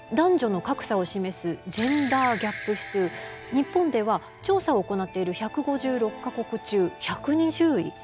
日本では調査を行っている１５６か国中１２０位。